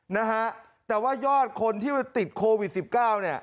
นะฮะแต่ว่ายอดคนที่ติดโควิด๑๙เนี่ย